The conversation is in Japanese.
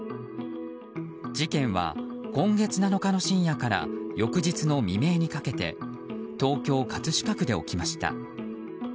事件は今月７日の深夜から翌日の未明にかけて東京・葛飾区で起きました。